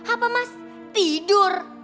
apa mas tidur